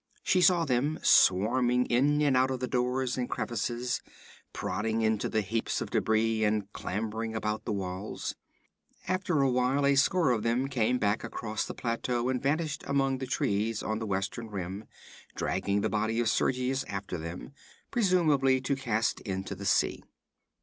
She saw them swarming in and out of the doors and crevices, prodding into the heaps of debris, and clambering about the walls. After awhile a score of them came back across the plateau and vanished among the trees on the western rim, dragging the body of Sergius after them, presumably to cast into the sea.